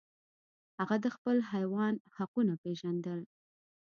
هغه د خپل حیوان حقونه پیژندل.